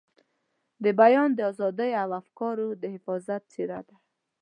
د بیان د ازادۍ او افکارو د حفاظت څېره ده.